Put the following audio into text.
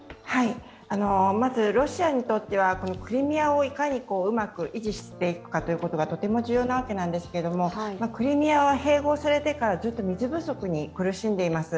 まずロシアにとってはクリミアをいかにうまく維持していくかということがとても重要なわけですけれどもクリミアは併合されてからずっと水不足に苦しんでいます。